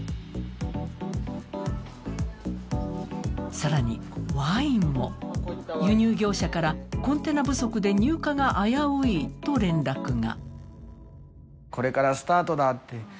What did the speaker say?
更にワインも輸入業者からコンテナ不足で入荷が危ういと連絡が。